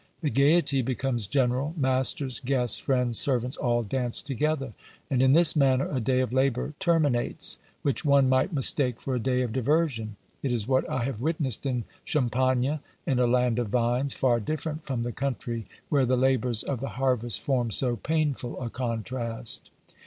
The gaiety becomes general; masters, guests, friends, servants, all dance together; and in this manner a day of labour terminates, which one might mistake for a day of diversion. It is what I have witnessed in Champagne, in a land of vines, far different from the country where the labours of the harvest form so painful a contrast."